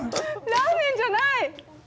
ラーメンじゃない！